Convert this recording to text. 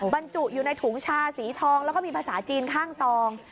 บรรจุอยู่ในถุงชาสีทองแล้วก็มีภาษาจีนข้างซอง